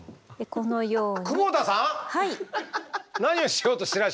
このように。